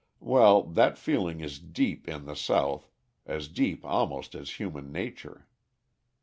Well, that feeling is deep in the South, as deep almost as human nature.